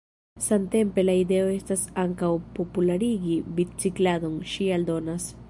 Samtempe la ideo estas ankaŭ popularigi bicikladon, ŝi aldonas.